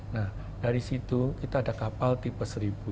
nah dari situ kita ada kapal tipe seribu